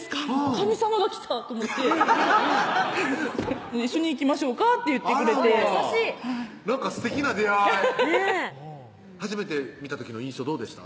神さまが来たと思ってハハハハハッ「一緒に行きましょうか」って言ってくれてなんかすてきな出会いねぇ初めて見た時の印象どうでした？